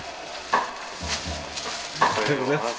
おはようございます。